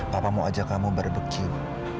papa mau ajak kamu bareng beku